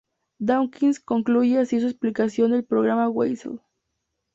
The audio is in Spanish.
Dawkins concluye así su explicación del programa Weasel.